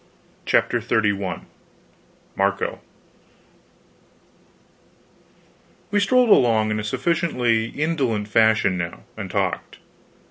CHAPTER XXXI MARCO We strolled along in a sufficiently indolent fashion now, and talked.